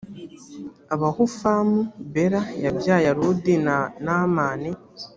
abahufamu bela yabyaye arudi na namani